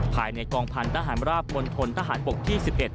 ภายในกองพันธ์ทหารราบมนตรฐานปกที่๑๑